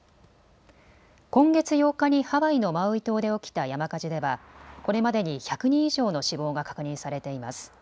今月８日にハワイのマウイ島で起きた山火事ではこれまでに１００人以上の死亡が確認されています。